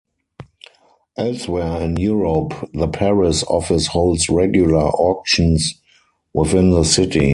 Elsewhere in Europe, the Paris office holds regular auctions within the city.